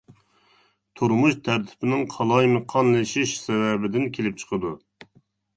تۇرمۇش تەرتىپىنىڭ قالايمىقانلىشىشى سەۋەبىدىن كېلىپ چىقىدۇ.